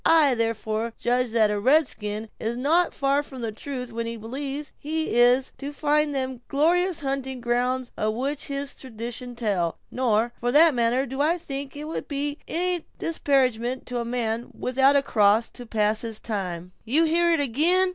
I, therefore, judge that a red skin is not far from the truth when he believes he is to find them glorious hunting grounds of which his traditions tell; nor, for that matter, do I think it would be any disparagement to a man without a cross to pass his time—" "You hear it again?"